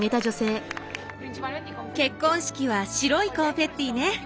結婚式は白いコンフェッティね。